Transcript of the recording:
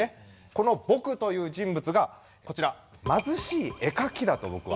この「僕」という人物がこちら貧しい絵描きだと僕は。